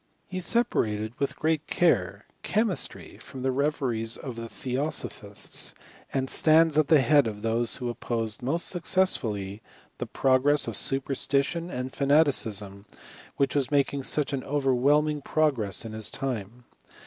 He separated, with great care, chemistry from the reveries of the theosophists, and stands at the head of those who opposed most successfully the progress of super stition and fanaticism, which was making such an overwhelming progress in his time.